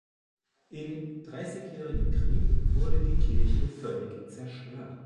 Im Dreißigjährigen Krieg wurde die Kirche völlig zerstört.